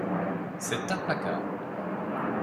C’est implacable